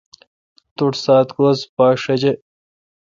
تو ٹھ سات گز پاچ شجہ۔